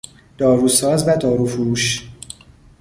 داروساز و داروفروش